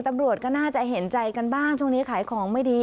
ตำรวจก็น่าจะเห็นใจกันบ้างช่วงนี้ขายของไม่ดี